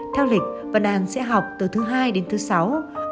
theo lịch vân anh sẽ học từ thứ hai đến thứ sáu